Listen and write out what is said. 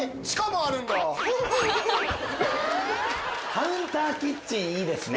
カウンターキッチンいいですね。